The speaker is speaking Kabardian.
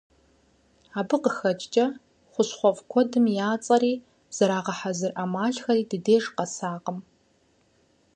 Абы къыхэкӏкӏэ, хущхъуэфӏ куэдым я цӏэри, зэрагъэхьэзыр ӏэмалхэри ди деж къэсакъым.